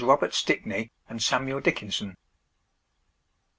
Robert Stickney and Samuel Dickinson.